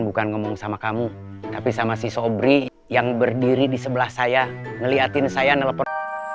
bukan ngomong sama kamu tapi sama si sobri yang berdiri di sebelah saya ngeliatin saya nelfon